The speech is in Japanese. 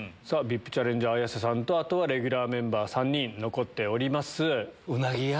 ＶＩＰチャレンジャー綾瀬さんとレギュラーメンバー３人残ってます。